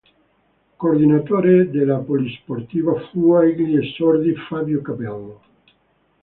Coordinatore della polisportiva fu, agli esordi, Fabio Capello.